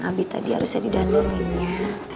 abi tadi harusnya didandaninnya